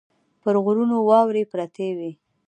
پر غرونو واورې پرتې وې.